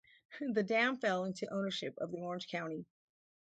The dam fell into ownership of the Orange County.